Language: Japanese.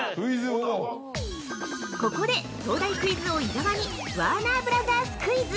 ◆ここで東大クイズ王・伊沢に「ワーナーブラザース」クイズ！